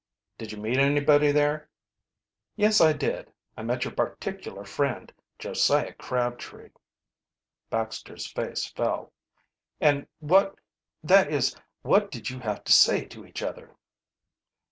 "Did you meet anybody there?" "Yes, I did. I met your particular friend, Josiah Crabtree." Baxter's face fell. "And what that is what did you have to say to each other?"